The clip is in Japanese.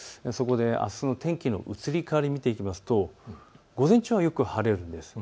そこであすの天気の移り変わりを見ていくと午前中はよく晴れるんです。